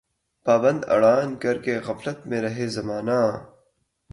پابند اڑان کر کے غفلت میں ہے زمانہ